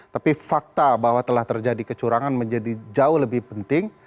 tapi fakta bahwa telah terjadi kecurangan menjadi jauh lebih penting